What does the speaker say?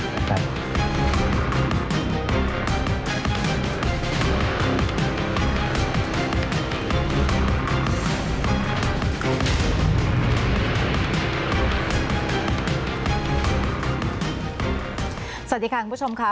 สวัสดีค่ะคุณผู้ชมค่ะ